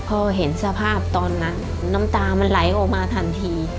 พอเห็นสภาพตอนนั้นน้ำตามันไหลออกมาทันที